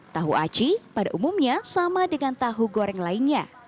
tahu aci pada umumnya sama dengan tahu goreng lainnya